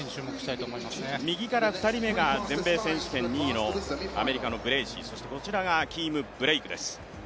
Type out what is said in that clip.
右から２人目が全米選手権２位のマービン・ブレーシー、そして、アキーム・ブレイクです。